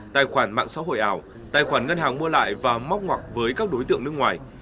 tài khoản mạng xã hội ảo tài khoản ngân hàng mua lại và móc ngoặc với các đối tượng nước ngoài